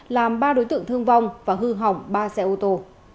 làm ba đối tượng thương vong và hư hỏng ba xe ô tô